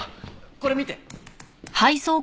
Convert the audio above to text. これ見て。